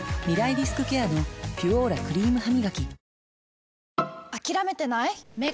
リスクケアの「ピュオーラ」クリームハミガキ